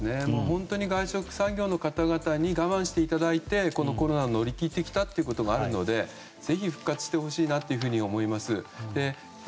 外食産業の方々に我慢していただいてコロナを乗り切ってきた現実があるので復活してほしいなと思います。